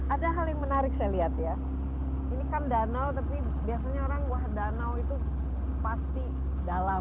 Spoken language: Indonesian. ada hal yang menarik saya lihat ya ini kan danau tapi biasanya orang wah danau itu pasti dalam